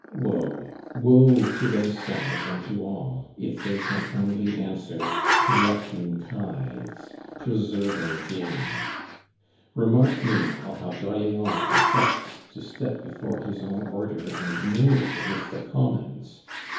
Woe, woe to themselves and to all, if they can only answer; Collecting tithes, Preserving game! Remark, meanwhile, how D'Orléans affects to step before his own Order and mingle with the Commons.